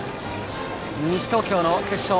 西東京の決勝